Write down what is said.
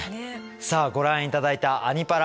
さあご覧頂いた「アニ×パラ」。